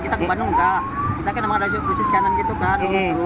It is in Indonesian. kita ke bandung enggak kita kan emang ada khusus kanan gitu kan